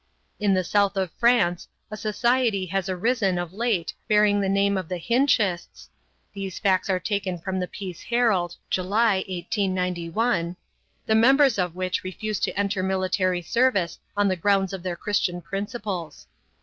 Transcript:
In the south of France a society has arisen of late bearing the name of the Hinschists (these facts are taken from the PEACE HERALD, July, 1891), the members of which refuse to enter military service on the grounds of their Christian principles.